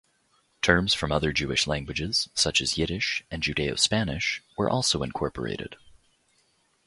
Terms from other Jewish languages such as Yiddish and Judaeo-Spanish were also incorporated.